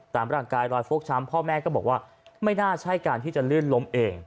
ตามร่างกายรอยฟกช้ำพ่อแม่ก็บอกว่าไม่น่าใช่การที่จะลื่นล้มเอง